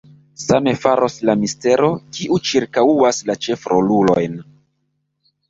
Same faros la mistero, kiu cirkaŭas la ĉefrolulojn.